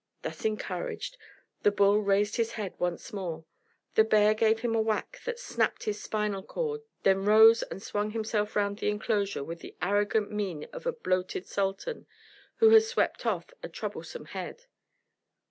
Thus encouraged, the bull raised his head once more. The bear gave him a whack that snapped his spinal cord, then rose and swung himself round the enclosure with the arrogant mien of a bloated sultan who has swept off a troublesome head.